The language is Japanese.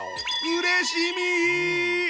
うれしみ！